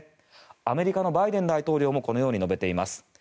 アメリカのバイデン大統領もこのように述べています。